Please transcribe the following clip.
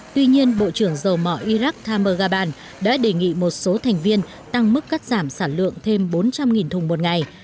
tuy nhiên bộ trưởng dầu mỏ iraq thamr gaban đã đề nghị một số thành viên tăng mức cắt giảm sản lượng thêm bốn trăm linh thùng một ngày